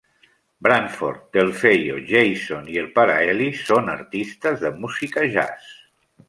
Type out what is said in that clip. Branford, Delfeayo, Jason i el pare Ellis són artistes de música jazz.